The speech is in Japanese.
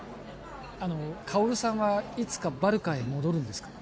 あの薫さんはいつかバルカへ戻るんですか？